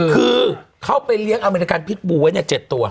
คือเขาไปเลี้ยงอเมริกันพิษบูไว้๗ตัว